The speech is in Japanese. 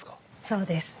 そうです。